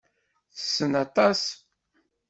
Tessen aṭas.